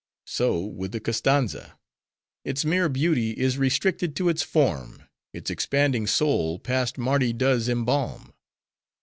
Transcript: So, with the Koztanza. Its mere beauty is restricted to its form: its expanding soul, past Mardi does embalm.